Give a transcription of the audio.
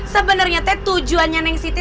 sebenarnya itu tujuannya siti